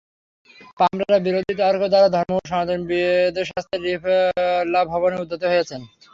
পামরেরা বিরোধী তর্ক দ্বারা ধর্মমূল সনাতন বেদশাস্ত্রের বিপ্লাবনে উদ্যত হইয়াছে।